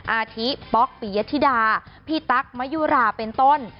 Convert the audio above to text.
อาทิป๊อกปิยธิดาพี่ตั๊กมะยุราเป็นต้น